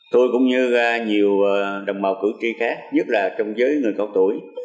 tôi cũng như nhiều đồng bào cử tri khác nhất là trong giới người cao tuổi